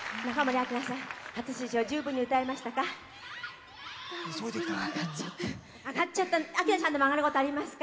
明菜さんでもあがることありますか。